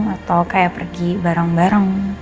atau kayak pergi bareng bareng